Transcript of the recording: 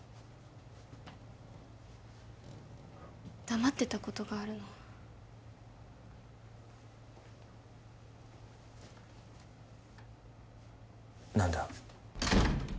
黙ってたことがあるの何だ？